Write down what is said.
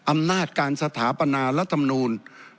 อำนาจการสถาปนารัฐมนูล